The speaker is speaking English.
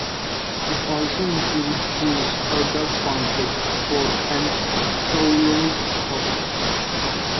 It also includes goose or duck confit, pork, and Toulouse sausage.